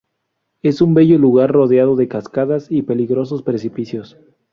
Es un bello lugar rodeado de cascadas y peligrosos precipicios.